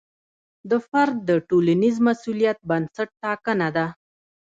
د فرد د ټولنیز مسوولیت بنسټ ټاکنه ده.